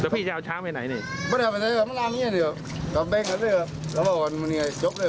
พี่จะเอาช้างไปไหนนี่